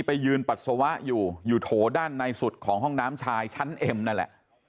ไปยืนปัสสาวะอยู่อยู่โถด้านในสุดของห้องน้ำชายชั้นเอ็มนั่นแหละ